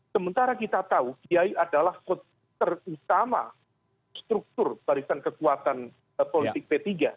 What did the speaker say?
sementara kita tahu kiai adalah terutama struktur barisan kekuatan politik p tiga